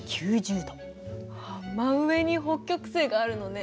真上に北極星があるのね。